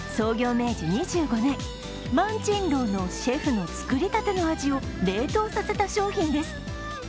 明治２５年萬珍樓のシェフの作りたての味を冷凍させた商品です。